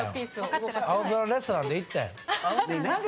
『青空レストラン』で行ったやん。